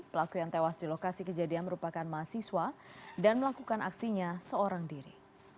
pelaku yang tewas di lokasi kejadian merupakan mahasiswa dan melakukan aksinya seorang diri